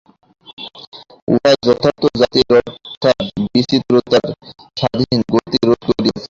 উহা যথার্থই জাতির অর্থাৎ বিচিত্রতার স্বাধীন গতি রোধ করিয়াছে।